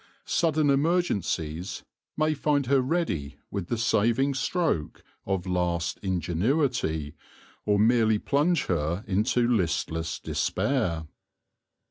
Sud den emergencies may find her ready with the saving stroke of last ingenuity, or merely plunge her into listless despair.